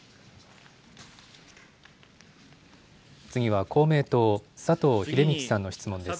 次は公明党、佐藤英道さんの質問です。